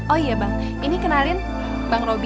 oh iya bang ini kenalin bang roby